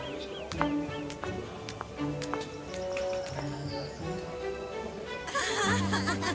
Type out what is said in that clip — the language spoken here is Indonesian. dimana putri opal aku pikir dia ada di sini